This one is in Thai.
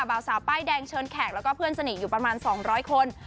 เบาสาวป้ายแดงเชิญแขกแล้วก็เพื่อนสนิทอยู่ประมาณ๒๐๐คน